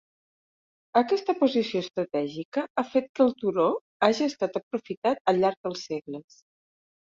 Aquesta posició estratègica ha fet que el turó haja estat aprofitat al llarg dels segles.